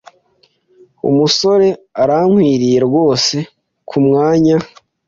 Umusore arakwiriye rwose kumwanya.